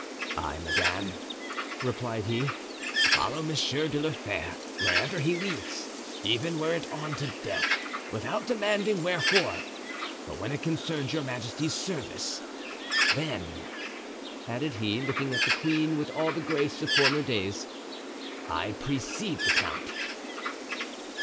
"I, madame," replied he, "follow Monsieur de la Fere wherever he leads, even were it on to death, without demanding wherefore; but when it concerns your majesty's service, then," added he, looking at the queen with all the grace of former days, "I precede the count."